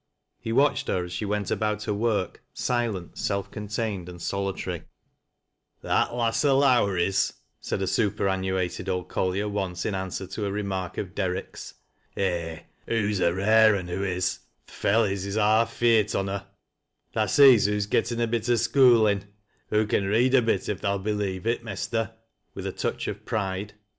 He watched her as she went iltoit her work, silent, self contained and solitary. " That ^ass o' Lowrie's 1 " said a superannuated old col [ier once, in answer to a remark of Derrick's. " Eh ' hoo's a rare un, hoo is ! Th' f ellys is haaf f eart on her Tha' sees hoo's getten a bit o' skoolin'. Hoo con read s bit, if tha'll believe it, Mester," with a touch of pride "UZ.